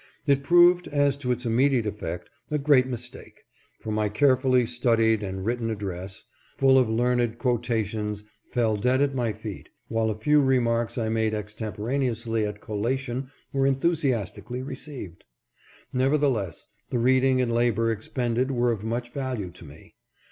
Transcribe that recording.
It proved, as to its immediate effect, a great mistake, for my care fully studied and written address, full of learned quota tions, fell dead at my feet, while a few remarks I made extemporaneously at collation were enthusiastically re ceived. Nevertheless, the reading and labor expended were of much value to me.